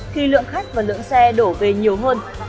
khi lượng khách và lượng xe đổ về nhiều hơn